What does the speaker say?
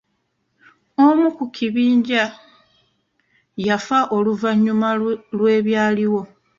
Omu ku kibinja yafa oluvannyuma lw'ebyaliwo.